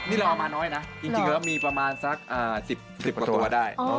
นี่เราเอามาน้อยนะจริงแล้วมีประมาณสัก๑๐กว่าตัวได้